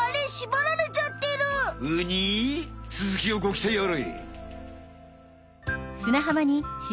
つづきをごきたいあれ。